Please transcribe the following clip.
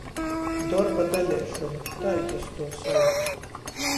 "Dorba daleišona" — tai jis tuo sauc.